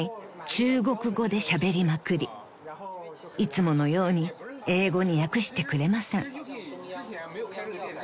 いつものように英語に訳してくれません］